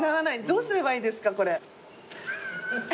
どうすればいいんですかこれ。